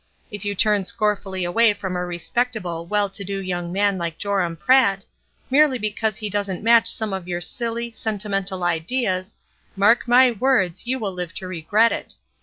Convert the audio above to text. If you turn scornfully away from a respectable, well to do young man like Joram Pratt, merely because he doesn't match some of your silly, sentimental ideas, mark my words you will live JORAM PRATT 51 to regret it.